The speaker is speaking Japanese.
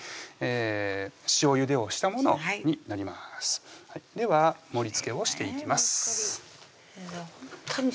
塩ゆでをしたものになりますでは盛りつけをしていきます先生